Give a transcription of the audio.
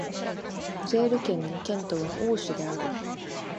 ジェール県の県都はオーシュである